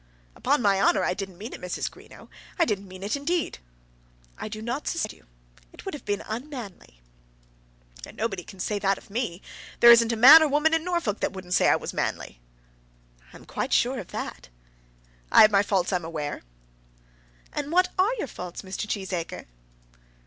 "Upon my honour I didn't mean it, Mrs. Greenow. I didn't mean it, indeed." "I do not suspect you. It would have been unmanly." "And nobody can say that of me. There isn't a man or woman in Norfolk that wouldn't say I was manly." "I'm quite sure of that." "I have my faults, I'm aware." "And what are your faults, Mr. Cheesacre?"